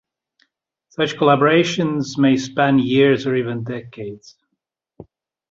Such collaborations may span years or even decades.